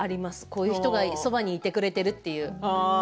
こういう人がそばにいてくれているという。